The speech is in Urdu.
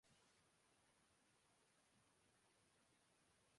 اور وہ کیا محرکات تھے